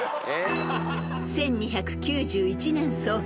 ［１２９１年創建］